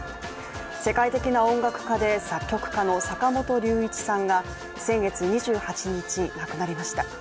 世界的な音楽家で作曲家の坂本龍一さんが先月２８日、亡くなりました。